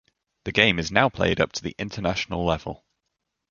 The game is now played up to international level.